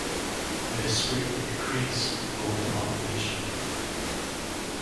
This greatly decreased the global population.